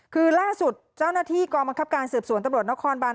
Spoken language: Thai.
คือล่าสุดเจ้าหน้าที่กองบังคับการสืบสวนตำรวจนครบาน